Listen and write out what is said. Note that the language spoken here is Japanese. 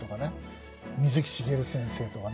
水木しげる先生とかね。